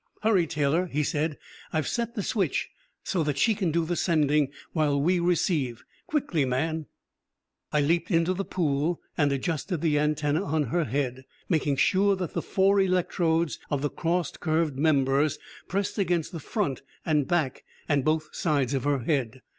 "Hurry, Taylor!" he said. "I've set the switch so that she can do the sending, while we receive. Quickly, man!" I leaped into the pool and adjusted the antenna on her head, making sure that the four electrodes of the crossed curved members pressed against the front and back and both sides of her head.